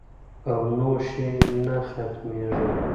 او نوش یې نه ختمیږي